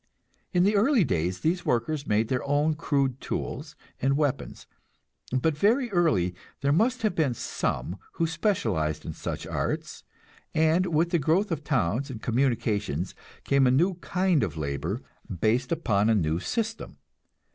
In the early days these workers made their own crude tools and weapons; but very early there must have been some who specialized in such arts, and with the growth of towns and communications came a new kind of labor, based upon a new system.